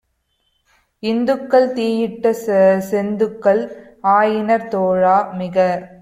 இந்துக்கள் தீயிட்ட செந்துக்கள் ஆயினர் தோழா - மிக